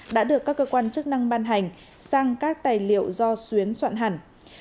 đã được các cơ quan chức năng ban hành sang các tài liệu do xuyến soạn hẳn